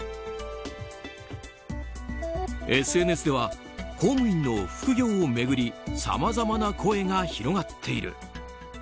ＳＮＳでは公務員の副業を巡りさまざまな声が広がっている。